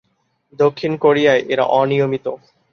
দক্ষিণ কোরিয়ায় এরা অনিয়মিত।